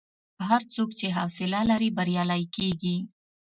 هر څوک چې حوصله لري، بریالی کېږي.